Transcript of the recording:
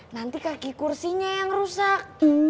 nanti kaki kursinya yang rusak